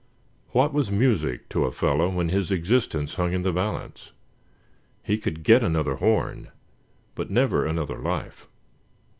What was music to a fellow when his existence hung in the balance. He could get another horn, but never another life.